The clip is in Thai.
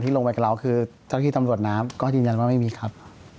ลงไปกับเราคือเจ้าที่ตำรวจน้ำก็ยืนยันว่าไม่มีครับ